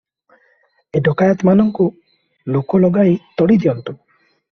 ଏ ଡକାଏତମାନଙ୍କୁ ଲୋକ ଲଗାଇ ତଡ଼ି ଦିଅନ୍ତୁ ।"